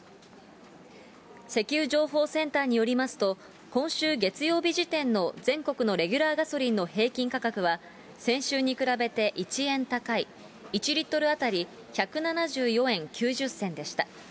石油情報センターによりますと、今週月曜日時点の全国のレギュラーガソリンの平均価格は、先週に比べて１円高い、１リットル当たり１７４円９０銭でした。